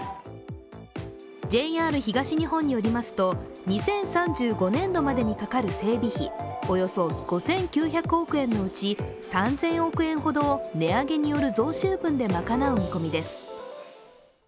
ＪＲ東日本によりますと、２０３５年度までにかかる整備費、およそ５９００億円のうち３０００億円ほどを値上げによる増収分で賄う見込みです。